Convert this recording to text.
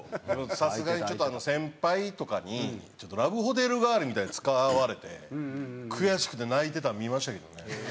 さすがにちょっと先輩とかにラブホテル代わりみたいに使われて悔しくて泣いてたの見ましたけどね。